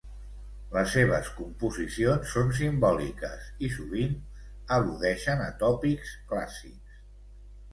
Les seves composicions són simbòliques i sovint al·ludeixen a tòpics clàssics.